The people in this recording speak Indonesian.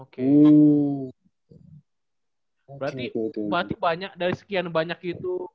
berarti dari sekian banyak itu